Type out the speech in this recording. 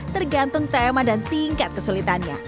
tergantung tema dan tingkat kesulitannya